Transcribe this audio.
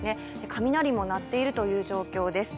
雷も鳴っているという状況です。